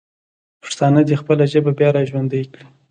پښتانه دې خپله ژبه بیا راژوندی کړي.